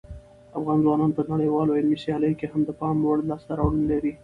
افغان ځوانان په نړیوالو علمي سیالیو کې هم د پام وړ لاسته راوړنې لري.